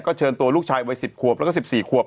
เชิญตัวลูกชายวัย๑๐ขวบแล้วก็๑๔ขวบ